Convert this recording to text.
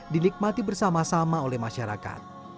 sama sama dibelbellahi oleh masyarakat